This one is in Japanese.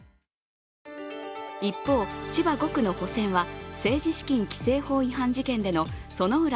一方、千葉５区の補選は政治資金規正法違反事件の薗浦